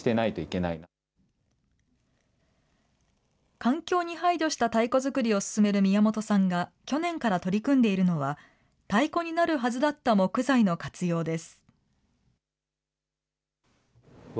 環境に配慮した太鼓作りを進める宮本さんが、去年から取り組んでいるのは、太鼓になるはずだった木材の活用です。